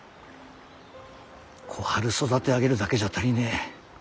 小春育て上げるだけじゃ足りねえ。